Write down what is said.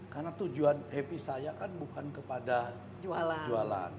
karena tujuan heavy saya kan bukan kepada jualan